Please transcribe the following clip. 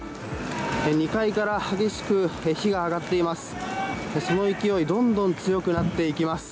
２階から激しく火が上がっています。